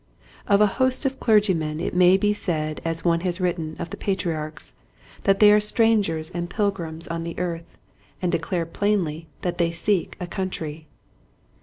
Of a host of clergymen it may be said as one has written of the patriarchs, that they are strangers and pilgrims on the 136 Quiet Hints to Growing Preachers. earth, and declare plainly that they seek a country.